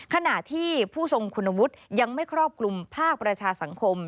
ขณะที่ผู้ทรงคุณวุฒิยังไม่ครอบคลุมภาคประชาสังคม